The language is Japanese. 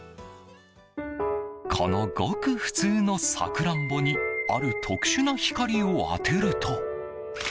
このごく普通のサクランボにある特殊な光を当てると。